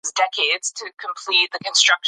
ثمر ګل د لمر له امله تندی تریو کړی و.